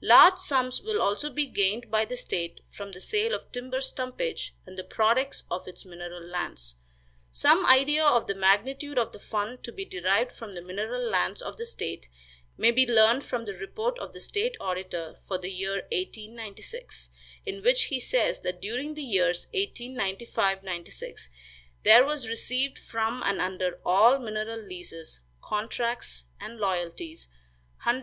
Large sums will also be gained by the state from the sale of timber stumpage, and the products of its mineral lands. Some idea of the magnitude of the fund to be derived from the mineral lands of the state may be learned from the report of the state auditor for the year 1896, in which he says that during the years 1895 96 there was received from and under all mineral leases, contracts and royalties, $170,128.